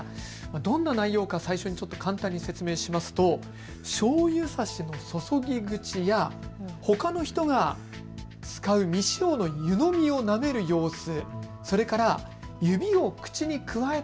どんな内容か最初にちょっと簡単に説明しますとしょうゆさしの注ぎ口やほかの人が使う未使用の湯飲みをなめる様子、それから指を口にくわえた